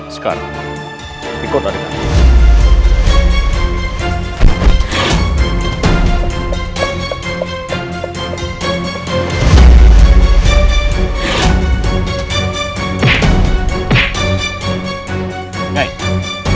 sekali ikut adik